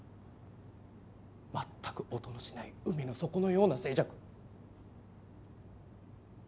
全く音のしない海の底のような静寂。